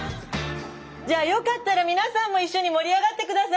じゃよかったら皆さんも一緒に盛り上がって下さいね！